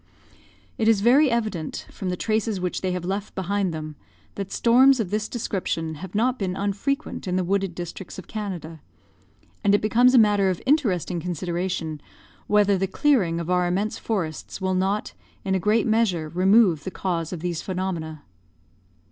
"It is very evident, from the traces which they have left behind them, that storms of this description have not been unfrequent in the wooded districts of Canada; and it becomes a matter of interesting consideration whether the clearing of our immense forests will not, in a great measure, remove the cause of these phenomena."